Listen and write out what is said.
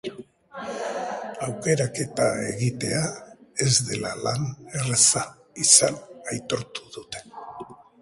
Aukeraketa egitea ez dela lan erraza izan aitortu dute.